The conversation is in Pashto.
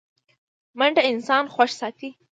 منډه انسان خوښ ساتي